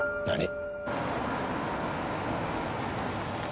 何！？